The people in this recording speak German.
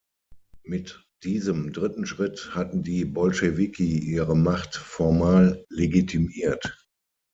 Mit diesem dritten Schritt hatten die Bolschewiki ihre Macht formal legitimiert.